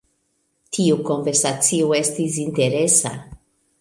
Tiu konversacio estis interesa.